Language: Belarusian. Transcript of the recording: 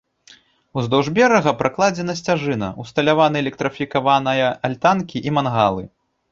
Уздоўж берага пракладзена сцяжына, усталяваны электрыфікаваная альтанкі і мангалы.